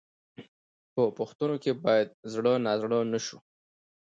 په پوښتنو کې باید زړه نازړه نه شو.